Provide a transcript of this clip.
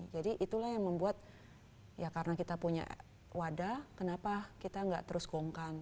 jadi itulah yang membuat ya karena kita punya wadah kenapa kita gak terus gongkan